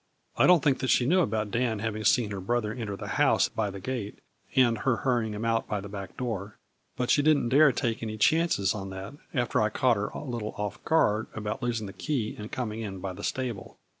I don't think that she knew about Dan having seen her brother enter the house by the gate, and her hurrying him out by the back door ; but she didn't dare to take any chances on that after I caught her a little off her guard about losing the key and coming A FLURRY IN DIAMONDS in by the stable.